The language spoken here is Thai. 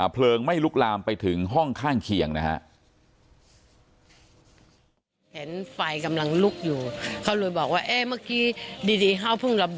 เพลิงไม่ลุกลามไปถึงห้องข้างเคียงนะฮะ